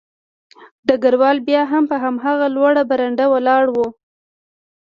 ډګروال بیا هم په هماغه لوړه برنډه ولاړ و